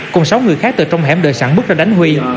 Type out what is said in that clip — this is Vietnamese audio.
cùng sáu người khác từ trong hẻm đợi sẵn bước ra đánh huy